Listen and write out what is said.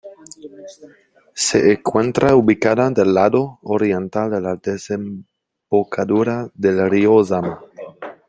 Se encuentra ubicada del lado oriental de la desembocadura del río Ozama.